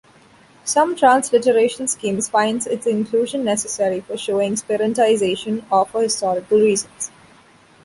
Some transliteration schemes find its inclusion necessary for showing spirantization or for historical reasons.